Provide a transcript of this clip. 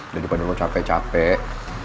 udah di depan rumah capek capek